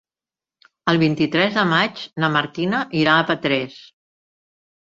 El vint-i-tres de maig na Martina irà a Petrés.